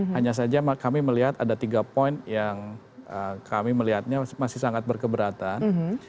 hanya saja kami melihat ada tiga poin yang kami melihatnya masih sangat berkeberatan